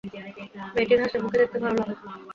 মেয়েটির হাসিমুখ দেখতে ভালো লাগছে।